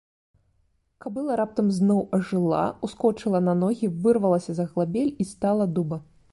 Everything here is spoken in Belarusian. Кабыла раптам зноў ажыла, ускочыла на ногі, вырвалася з аглабель і стала дуба.